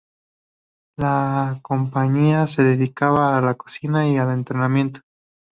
La compañía se dedica a la cocina y al entretenimiento.